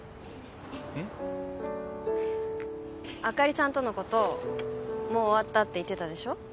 あかりちゃんとのこともう終わったって言ってたでしょ？